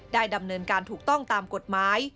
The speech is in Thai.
ดำเนินการถูกต้องตามกฎหมาย